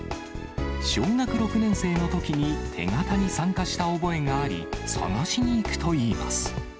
小学６年生のときに手形に参加した覚えがあり、探しに行くといいます。